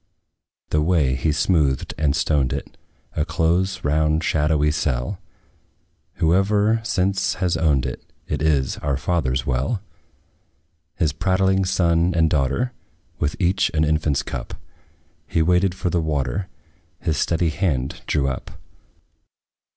The way, he smoothed and stoned it, A close, round, shadowy cell; Whoever since has owned it, It is our father's well! His prattling son and daughter, With each an infant's cup, We waited for the water, His steady hand drew up.